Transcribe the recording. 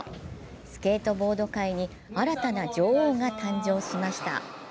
スケートボード界に新たな女王が誕生しました。